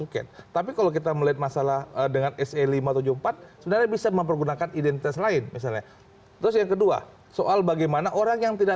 kk kan tidak ada tampangnya